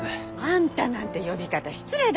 あんたなんて呼び方失礼だろ。